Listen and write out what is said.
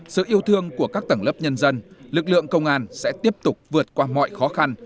sự yêu thương của các tầng lớp nhân dân lực lượng công an sẽ tiếp tục vượt qua mọi khó khăn